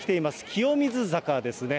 清水坂ですね。